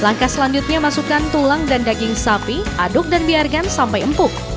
langkah selanjutnya masukkan tulang dan daging sapi aduk dan biarkan sampai empuk